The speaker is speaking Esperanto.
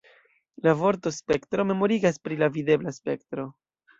La vorto ""spektro"" memorigas pri la videbla spektro.